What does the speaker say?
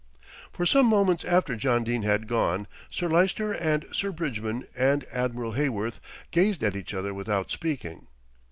For some moments after John Dene had gone, Sir Lyster and Sir Bridgman and Admiral Heyworth gazed at each other without speaking.